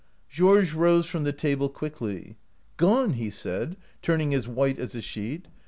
" Georges rose from the table quickly. 'Gone!' he said, turning as white as a sheet.